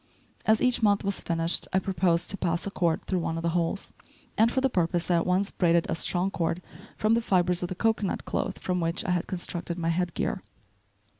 As each month was finished I proposed to pass a cord through one of the holes; and for the purpose I at once braided a strong cord from the fibres of the cocoanut cloth from which I had constructed my head gear.